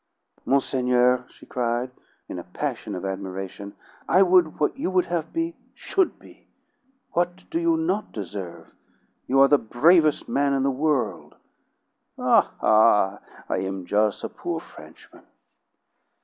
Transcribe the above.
"Monseigneur," she cried in a passion of admiration, "I would what you would have be, should be. What do you not deserve? You are the bravest man in the world!" "Ha, ha! I am jus' a poor Frenchman."